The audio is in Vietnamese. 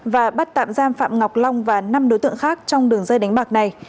và bắt tạm giam phạm ngọc long và năm đối tượng khác trong đường dây đánh bạc này